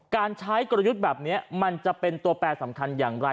การใช้กลยุทธ์แบบนี้มันจะเป็นตัวแปรสำคัญอย่างไร